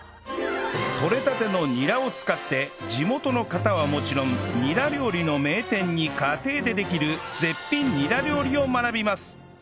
とれたてのニラを使って地元の方はもちろんニラ料理の名店に家庭でできる絶品ニラ料理を学びます！